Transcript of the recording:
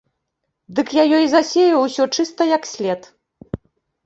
Дык я ёй засею ўсё чыста як след.